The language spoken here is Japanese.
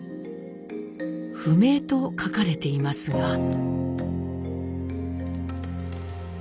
「不明」と書かれていますが。